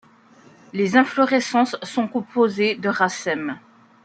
Les inflorescences sont composées de racèmes.